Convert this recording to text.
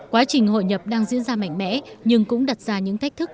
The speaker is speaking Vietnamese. quá trình hội nhập đang diễn ra mạnh mẽ nhưng cũng đặt ra những thách thức